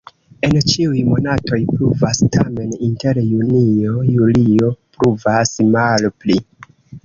En ĉiuj monatoj pluvas, tamen inter junio-julio pluvas malpli.